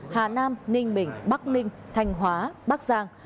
hà nam ninh bình bắc ninh thanh hóa bắc giang